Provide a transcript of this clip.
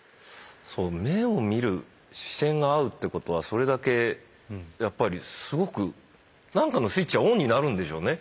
そう目を見る視線が合うってことはそれだけやっぱりすごく何かのスイッチがオンになるんでしょうね。